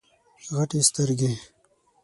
غټي سترګي